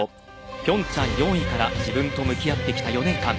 平昌４位から自分と向き合ってきた４年間。